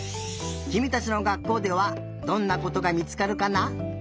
きみたちの学校ではどんなことがみつかるかな？